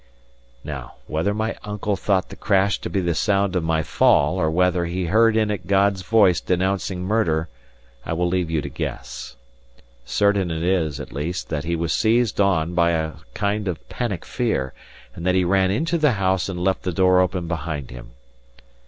Now, whether my uncle thought the crash to be the sound of my fall, or whether he heard in it God's voice denouncing murder, I will leave you to guess. Certain it is, at least, that he was seized on by a kind of panic fear, and that he ran into the house and left the door open behind him.